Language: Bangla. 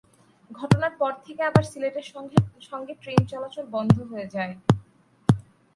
ঘটনার পর থেকে আবার সিলেটের সঙ্গে ট্রেন চলাচল বন্ধ হয়ে যায়।